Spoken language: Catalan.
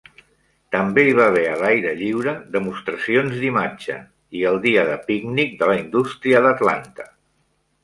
També hi va haver a l'aire lliure "demostracions d'imatge", i el dia de pícnic de la indústria d'Atlanta.